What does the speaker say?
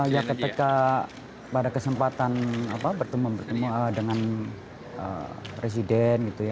ya ketika pada kesempatan bertemu dengan presiden gitu ya